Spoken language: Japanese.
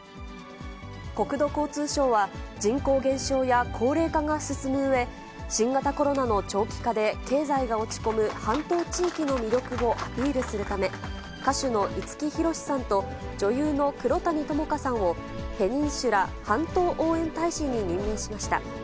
国土交通省は、人口減少や高齢化が進むうえ、新型コロナの長期化で経済が落ち込む半島地域の魅力をアピールするため、歌手の五木ひろしさんと、女優の黒谷友香さんを、ペニンシュラ・半島応援大使に任命しました。